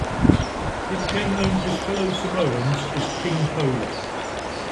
He became known to his fellow Samoans as "King Pola".